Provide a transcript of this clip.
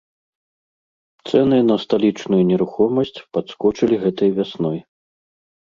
Цэны на сталічную нерухомасць падскочылі гэтай вясной.